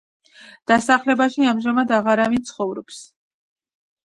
დასახლებაში ამჟამად აღარავინ ცხოვრობს.